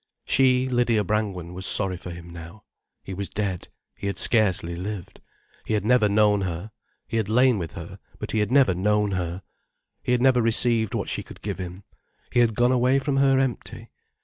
She, Lydia Brangwen, was sorry for him now. He was dead—he had scarcely lived. He had never known her. He had lain with her, but he had never known her. He had never received what she could give him. He had gone away from her empty.